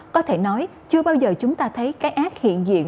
có thể nói chưa bao giờ chúng ta thấy cái ác hiện diện